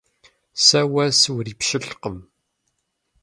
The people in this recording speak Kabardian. Сэ уэ сурипщылӀкъым!